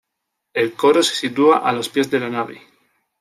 El coro se sitúa a los pies de la nave.